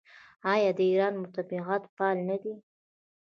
آیا د ایران مطبوعات فعال نه دي؟